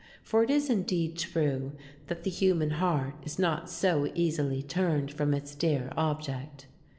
For it is indeed true that the human heart is not so easily turned from its dear object.